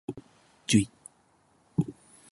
じゅい